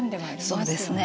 そうですね。